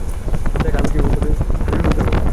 দেখ, আমি কিভাবে তোমাকে বুঝাবো?